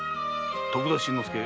徳田新之助。